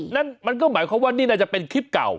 นั่นมันก็หมายความว่านี่น่าจะเป็นคลิปเก่า